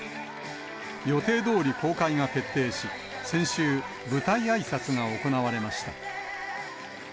予定どおり公開が決定し、先週、舞台あいさつが行われました。